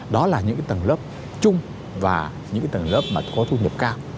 đó là những cái tầng lớp chung và những cái tầng lớp mà có thu nhập cao